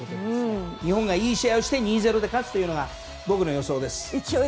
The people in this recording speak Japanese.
日本がいい試合をして２−０で勝つというのが僕の予想です。